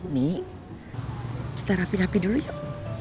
mie kita rapi rapi dulu yuk